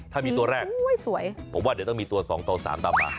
ถ้ามีตัวแรกผมว่าเดี๋ยวต้องมีตัวสองโตสามต่อมา